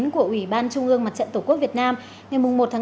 của ủy ban trung ương mặt trận tổ quốc việt nam ngày một tháng bốn